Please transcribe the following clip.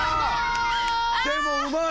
でもうまい！